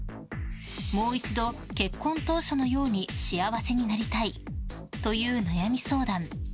もう一度結婚当初のように幸せになりたい。という悩み相談。